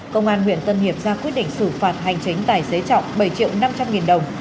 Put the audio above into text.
công an huyện tân hiệp ra quyết định xử phạt hành chính tài xế trọng bảy triệu năm trăm linh nghìn đồng